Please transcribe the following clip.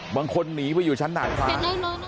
บางคนหนีไปอยู่ชั้นด่ายฟ้า